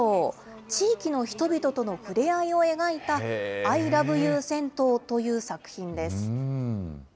地域の人々との触れ合いを描いたＩＬＯＶＥＹＯＵ銭湯という作品です。